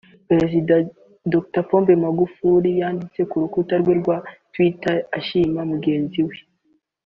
Perezida Dr John Pombe Magufuli yanditse ku rukuta rwe rwa Twitter yashimye mugenzi we